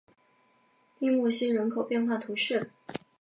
利穆西人口变化图示